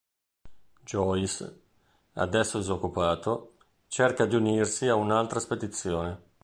Joyce, adesso disoccupato, cerca di unirsi ad un'altra spedizione.